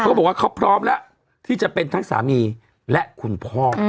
เขาบอกว่าเขาพร้อมแล้วที่จะเป็นทั้งสามีและคุณพ่อ